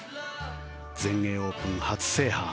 全英オープン初制覇。